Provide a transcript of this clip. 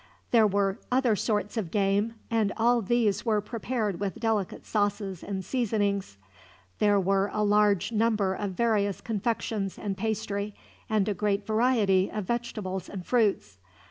There were other sorts of game, and all these were prepared with delicate sauces and seasonings. There were a large number of various confections and pastry, and a great variety of vegetables and fruits.